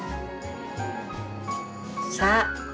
さあ。